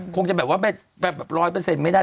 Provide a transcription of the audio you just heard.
คงจะแบบว่าแบบ๑๐๐ไม่ได้